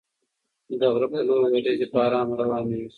د غره په لور ورېځې په ارامه روانې وې.